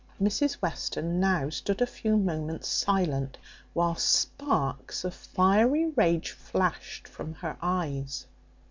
Mrs Western now stood a few moments silent, while sparks of fiery rage flashed from her eyes.